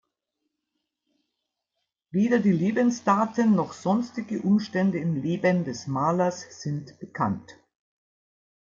Weder die Lebensdaten noch sonstige Umstände im Leben des Malers sind bekannt.